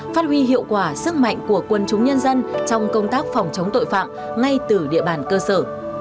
phát huy hiệu quả sức mạnh của quân chúng nhân dân trong công tác phòng chống tội phạm ngay từ địa bàn cơ sở